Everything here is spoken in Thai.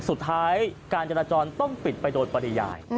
สุดท้ายการจราจรต้องปิดไปโดยปริยาย